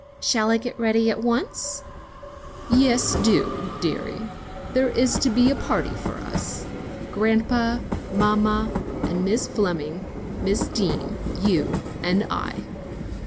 shall I get ready at once?" "Yes, do, dearie. There is to be a party of us grandpa, mamma, and Miss Fleming, Miss Deane, you and I."